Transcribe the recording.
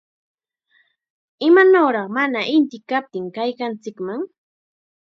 ¡Imanawraq mana inti kaptin kaykanchikman!